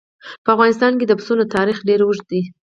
په افغانستان کې د پسونو تاریخ ډېر اوږد دی.